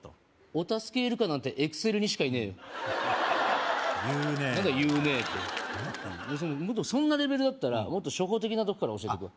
お助けイルカなんてエクセルにしかいねえよ言うねえ何だ「言うねえ」ってそんなレベルだったらもっと初歩的なとこから教えていくわ